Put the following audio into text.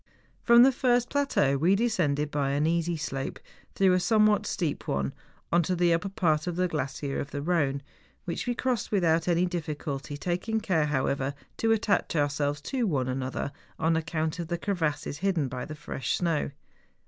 From the first plateau we descended by an easy slope, though a somewhat steep one, on to the upper part of the glacier of the Ehone, which we crossed without any difficulty, taking care, however, to attach ourselves to one another, on account of the crevasses hidden by the fresh snow.